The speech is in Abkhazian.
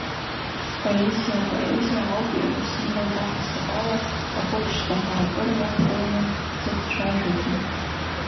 Споезиа апоезиа ауп иара символк аҳасаб ала ахәы ԥшӡа ҳаракыра иадкыланы дзыхцәажәогьы…